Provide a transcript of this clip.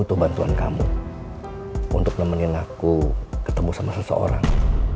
butuh bantuan kamu untuk nemenin aku ketemu sama seseorang